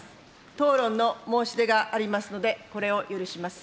討論の申し出がありますので、これを許します。